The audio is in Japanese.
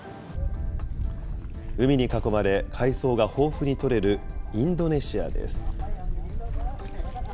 海に囲まれ、海藻が豊富に採れるインドネシアです。